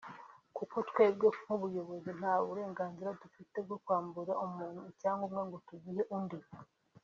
kuko twebwe nk’ubuyobozi nta burenganzira dufite bwo kwambura umuntu icyangombwa ngo tugihe undi